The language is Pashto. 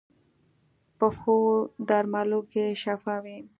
پخو درملو کې شفا وي